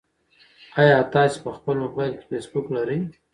ایا تاسي په خپل موبایل کې فېسبوک لرئ؟